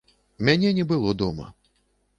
Мяне не было дома.